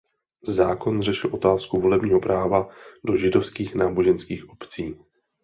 Zákon řešil otázku volebního práva do židovských náboženských obcí.